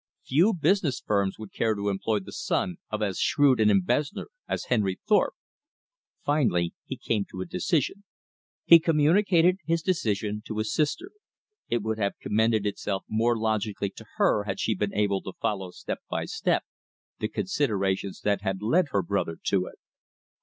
Few business firms would care to employ the son of as shrewd an embezzler as Henry Thorpe. Finally he came to a decision. He communicated this decision to his sister. It would have commended itself more logically to her had she been able to follow step by step the considerations that had led her brother to it.